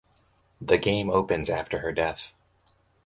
The game opens after her death.